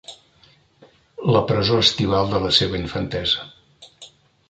La presó estival de la seva infantesa.